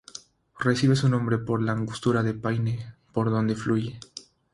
Recibe su nombre por la Angostura de Paine, por donde fluye.